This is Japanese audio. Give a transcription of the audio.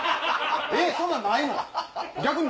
そんなんないの？